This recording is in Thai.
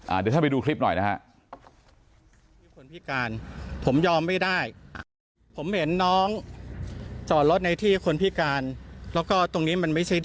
เดี๋ยวถ้าไปดูคลิปหน่อยนะครับ